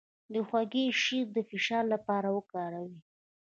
د هوږې شیره د فشار لپاره وکاروئ